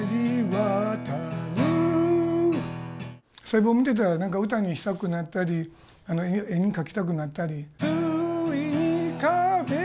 細胞見てたら何か歌にしたくなったり絵に描きたくなったり。